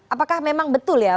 apakah memang betul ya